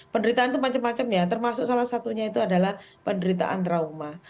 penderitaan itu macam macam ya termasuk salah satunya itu adalah penderitaan trauma